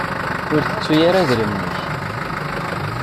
Ur ttettu ara idrimen-ik.